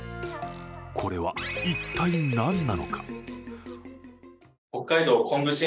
これは一体何なのか。